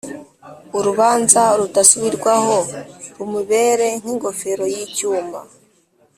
urubanza rudasubirwaho rumubere nk’ingofero y’icyuma,